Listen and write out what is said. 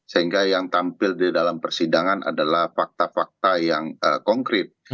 sehingga yang tampil di dalam persidangan adalah fakta fakta yang konkret